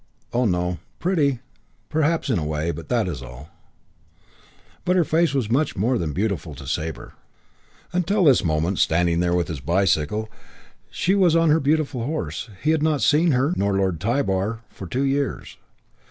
Oh, no; pretty, perhaps, in a way, but that's all. But her face was much more than beautiful to Sabre. V Until this moment, standing there with his bicycle, she on her beautiful horse, he had not seen her, nor Lord Tybar, for two years.